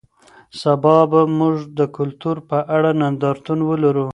سبا به موږ د کلتور په اړه نندارتون ولرو.